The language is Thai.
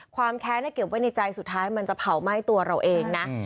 แค้นเก็บไว้ในใจสุดท้ายมันจะเผาไหม้ตัวเราเองนะ